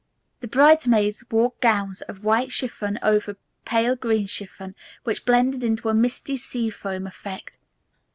The bridesmaids wore gowns of white chiffon over pale green chiffon which blended into a misty, sea foam effect.